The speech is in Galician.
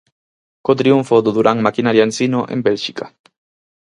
Co triunfo do Durán Maquinaria Ensino en Bélxica.